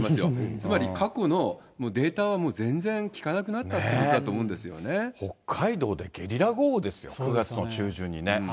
つまり、過去のデータはもう全然きかなくなったということなんだと思うん北海道でゲリラ豪雨ですよ、９月の中旬にね。